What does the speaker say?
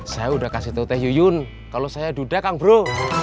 saya udah kasih tau teh yuyun kalau saya duda kang bro